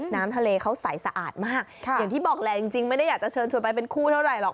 น้ำทะเลเขาใสสะอาดมากอย่างที่บอกแหละจริงไม่ได้อยากจะเชิญชวนไปเป็นคู่เท่าไหร่หรอก